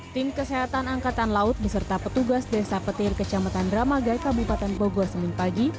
tim kesehatan angkatan laut beserta petugas desa petir kecamatan ramagai kabupaten bogor semimpagi